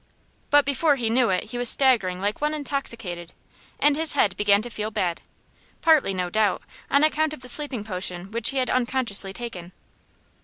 But before he knew it he was staggering like one intoxicated, and his head began to feel bad, partly, no doubt, on account of the sleeping potion which he had unconsciously taken.